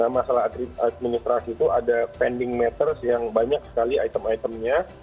masalah administrasi itu ada pending matters yang banyak sekali item itemnya